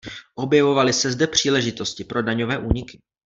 Objevovaly se zde příležitosti pro daňové úniky.